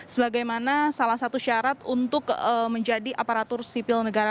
sebagaimana salah satu syarat untuk menjadi aparatur sipil negara